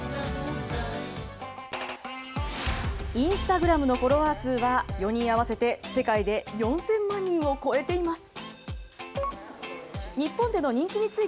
インスタグラムのフォロワー数は、４人合わせて世界で４０００万人を超えています。